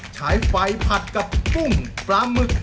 ใช้ไฟผัดกับกุ้งปลาหมึก